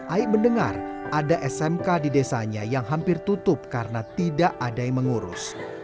aib mendengar ada smk di desanya yang hampir tutup karena tidak ada yang mengurus